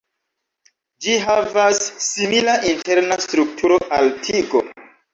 Ĝi havas simila interna strukturo al tigo.